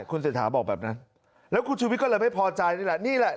คุณเศรษฐาบอกแบบนั้นแล้วคุณชุวิตก็เลยไม่พอใจนี่แหละนี่แหละ